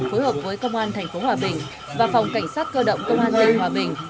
phối hợp với công an tp hòa bình và phòng cảnh sát cơ động công an tỉnh hòa bình